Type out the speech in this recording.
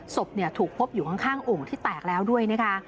ศพถูกพบอยู่ข้างโอ่งที่แตกแล้วด้วยนะคะ